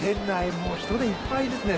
もう人でいっぱいですね。